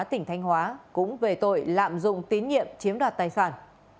tỉnh thanh hóa cũng về tội lạm dụng tín nhiệm chiếm đoạt tài sản